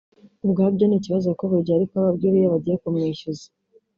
ubwabyo ni kibazo kuko buri gihe ari ko ababwira iyo bagiye kumwishyuza